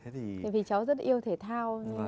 vì cháu rất là yêu thể thao